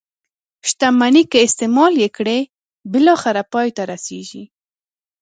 شتمني که استعمال یې کړئ بالاخره پای ته رسيږي.